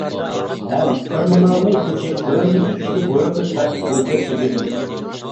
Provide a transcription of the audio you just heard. ھەم تېرمىنالنى ئېچىپ تۆۋەندىكى ئىككى بۇيرۇقنى تەرتىپ بويىچە كىرگۈزىمىز.